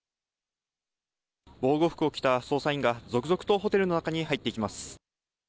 防護服を着た捜査員が、続々とホテルの中に入っていきます。